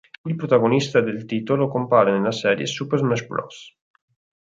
Il protagonista del titolo compare nella serie "Super Smash Bros.